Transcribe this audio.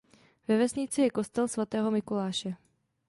Ve vesnici je kostel svatého Mikuláše.